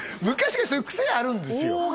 昔からそういう癖があるんですよ